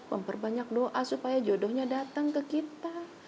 memperbanyak doa supaya jodohnya datang ke kita